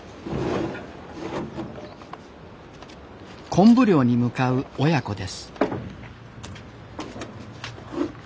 昆布漁に向かう親子です。